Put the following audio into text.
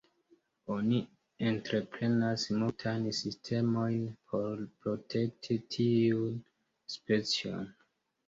Oni entreprenas multajn sistemojn por protekti tiun specion.